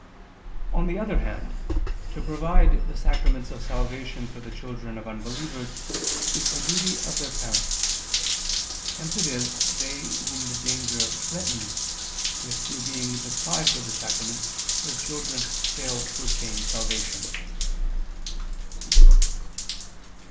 On the other hand, to provide the sacraments of salvation for the children of unbelievers is the duty of their parents. Hence it is they whom the danger threatens, if through being deprived of the sacraments their children fail to obtain salvation.